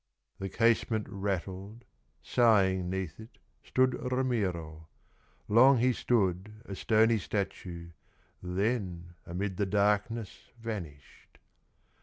The casement rattled, Sighing neath it, stood Ramiro. Long he stood a stony statue, Then amidst the darkness vanished.